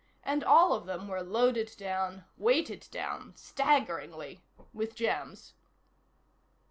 And all of them were loaded down, weighted down, staggeringly, with gems.